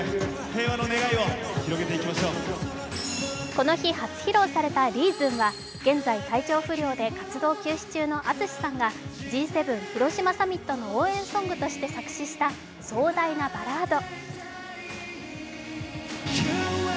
この日、初披露された「Ｒｅａｓｏｎ」は現在、体調不良で活動休止中のＡＴＳＵＳＨＩさんがＧ７広島サミットの応援ソングとして作詞した壮大なバラード。